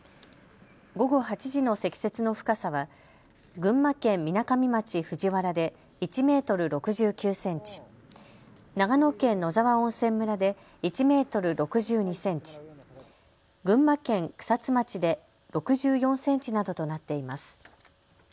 午後８時の積雪の深さは群馬県みなかみ町藤原で１メートル６９センチ、長野県野沢温泉村で１メートル６２センチ、群馬県草津町で６４センチなどとなっています。